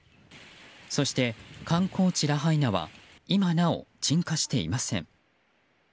そして、観光地ラハイナは今なお鎮火していません。